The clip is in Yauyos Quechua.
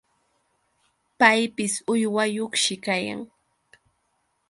Paypis uywayuqshi kayan.